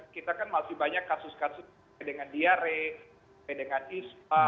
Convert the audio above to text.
kita kan masih banyak kasus kasus seperti dengan diare sampai dengan ispa